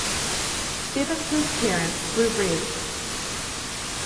Stebbins’ parents were Rev.